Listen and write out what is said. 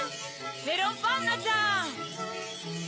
メロンパンナちゃん！